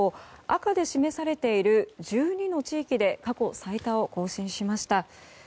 赤で示されている１２の地域で過去最多を更新しました。